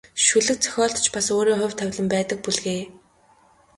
Шүлэг зохиолд ч бас өөрийн хувь тавилан байдаг бүлгээ.